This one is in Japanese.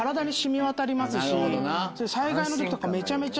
災害の時とかめちゃめちゃいいですし。